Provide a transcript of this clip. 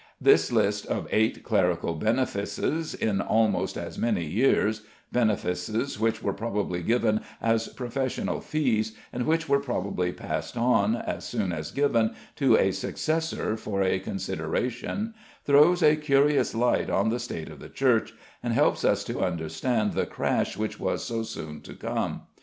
This list of eight clerical benefices in almost as many years benefices which were probably given as professional fees, and which were probably passed on, as soon as given, to a successor "for a consideration" throws a curious light on the state of the Church, and helps us to understand the crash which was so soon to come.